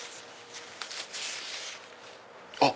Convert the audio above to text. あっ！